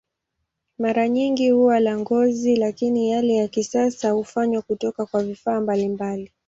Mara nyingi huwa la ngozi, lakini yale ya kisasa hufanywa kutoka kwa vifaa mbalimbali.